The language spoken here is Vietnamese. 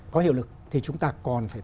có hiệu lực thì chúng ta còn phải